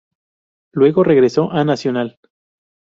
Luego, regresó a Nacional.